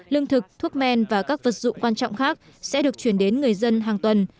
lương thực thuốc men và các vật dụng quan trọng khác sẽ được chuyển đến người dân hàng tuần